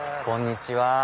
こんにちは！